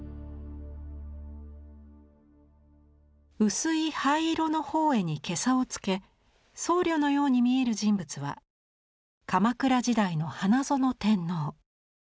薄い灰色の法衣にけさをつけ僧侶のように見える人物は鎌倉時代の花園天皇。